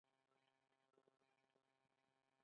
د خولې د اوبو د زیاتوالي لپاره د بهي دانه وکاروئ